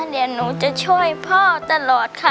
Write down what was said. เรียนหนูจะช่วยพ่อตลอดค่ะ